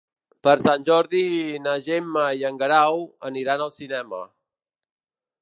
Per Sant Jordi na Gemma i en Guerau aniran al cinema.